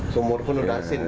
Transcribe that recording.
sumur pun sudah asin